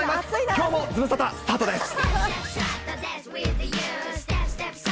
きょうもズムサタ、スタートです。